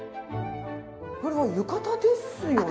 これは浴衣ですよね？